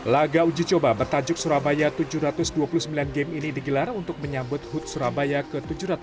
laga ujicuba bertajuk surabaya tujuh ratus dua puluh sembilan game ini digelar untuk menyambut hud surabaya ke tujuh ratus dua puluh sembilan